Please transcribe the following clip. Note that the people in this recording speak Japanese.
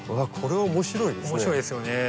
これは面白いですね。